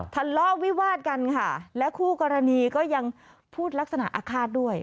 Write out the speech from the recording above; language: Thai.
ทะเลาะวิวาดกันค่ะและคู่กรณีก็ยังพูดลักษณะอาฆาตด้วย